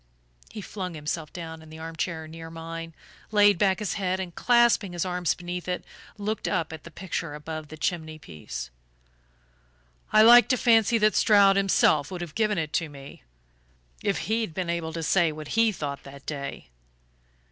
He flung himself down in the arm chair near mine, laid back his head, and clasping his arms beneath it, looked up at the picture above the chimney piece. "I like to fancy that Stroud himself would have given it to me, if he'd been able to say what he thought that day."